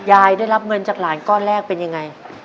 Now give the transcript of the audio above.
ยายได้รับเงินจากหลานก้อนแรกเป็นยังไง